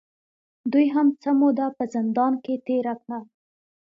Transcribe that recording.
دوې هم څۀ موده پۀ زندان کښې تېره کړه